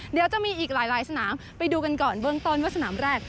เดี๋ยวจะมีอีกหลายสนามไปดูกันก่อนเบื้องต้นว่าสนามแรก